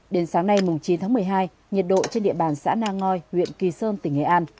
đến sáng nay chín tháng một mươi hai nhiệt độ trên địa bàn xã nang ngoi huyện kỳ sơn tỉnh nghệ an